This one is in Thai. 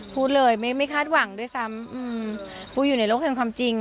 พูดเลยไม่คาดหวังด้วยซ้ำพูดอยู่ในโลกแห่งความจริง